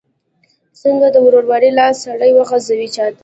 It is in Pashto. څنګه د ورورۍ لاس سړی وغځوي چاته؟